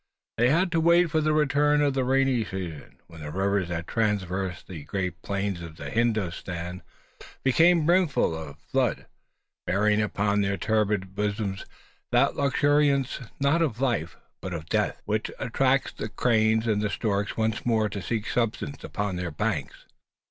They had to wait for the return of the rainy season; when the rivers that traverse the great plains of Hindostan became brimful of flood bearing upon their turbid bosoms that luxuriance, not of life, but of death, which attracts the crane and the stork once more to seek subsistence upon their banks.